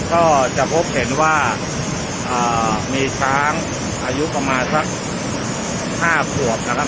ก็จะพบเห็นว่ามีช้างอายุประมาณสัก๕ขวบนะครับ